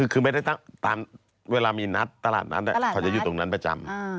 คือไม่ได้ตั้งตามเวลามีนัดตลาดนัดเขาจะอยู่ตรงนั้นประจำ